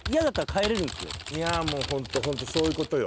いやもうホントそういうことよ。